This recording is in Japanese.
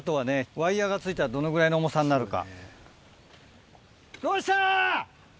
ワイヤが付いたらどのぐらいの重さになるか。